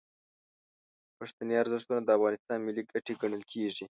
پښتني ارزښتونه د افغانستان ملي ګټې ګڼل کیږي.